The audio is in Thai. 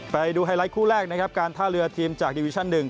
ไปดูไฮไลท์คู่แรกนะครับการท่าเรือทีมจากดิวิชั่น๑